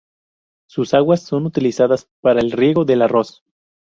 Sus aguas son utilizadas para el riego del arroz.